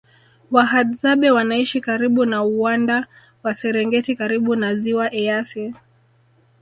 Wahadzabe wanaishi karibu na uwanda wa serengeti karibu na ziwa eyasi